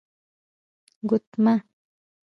💍 ګوتمه